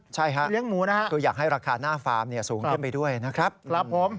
ใช่ครับคืออยากให้ราคาหน้าฟาร์มสูงเข้มไปด้วยนะครับครับผม